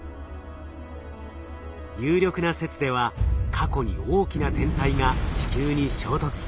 有力な説では過去に大きな天体が地球に衝突。